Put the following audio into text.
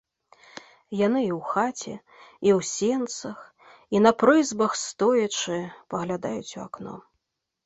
Яны і ў хаце, і ў сенцах, і на прызбах стоячы паглядаюць у акно.